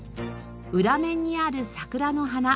裏面にある桜の花。